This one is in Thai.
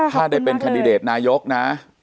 ถ้าได้เป็นคันดิเดตนายกนะ